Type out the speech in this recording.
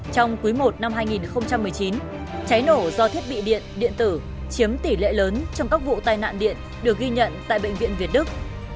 trong quý i năm hai nghìn một mươi chín cháy nổ do thiết bị điện điện tử chiếm tỷ lệ lớn trong các vụ tai nạn điện được ghi nhận tại bệnh viện việt đức